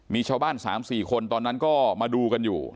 มีชาวบ้าน๓๔คนตอนนั้นก็มาดูกันอยู่